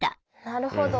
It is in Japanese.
なるほど。